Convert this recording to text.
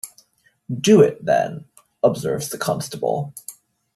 "Do it, then," observes the constable.